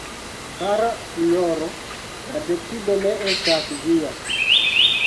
Kara Sinjoro, la decido ne estas via.